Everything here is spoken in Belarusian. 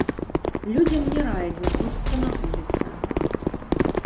Людзям не раяць знаходзіцца на вуліцы.